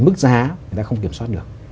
mức giá người ta không kiểm soát được